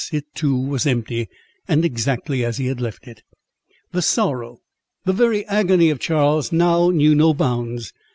it too was empty, and exactly as he had left it. The sorrow, the very agony of Charles, now knew no bounds.